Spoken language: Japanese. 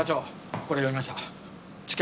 これ読みました治験